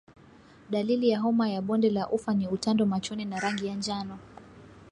Dalili ya homa ya bonde la ufa ni utando machoni na rangi ya njano